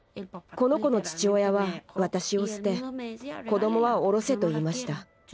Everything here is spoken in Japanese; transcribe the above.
この子の父親は私を捨て子どもはおろせと言いました。